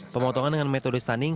pemotongan dengan metode stunning